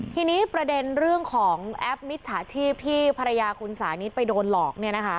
ทีนี้ประเด็นเรื่องของแอปมิจฉาชีพที่ภรรยาคุณสารนี้ไปโดนหลอก